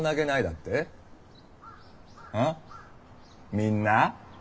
みんな？